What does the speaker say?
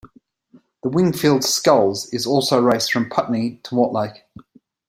The Wingfield Sculls is also raced from Putney to Mortlake.